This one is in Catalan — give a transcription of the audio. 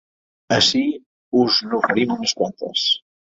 Ací us n’oferim unes quantes.